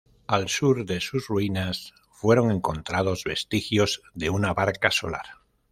Al sur de sus ruinas fueron encontrados vestigios de una barca Solar.